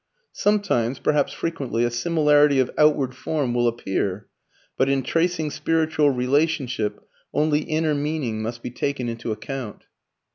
Sometimes, perhaps frequently, a similarity of outward form will appear. But in tracing spiritual relationship only inner meaning must be taken into account.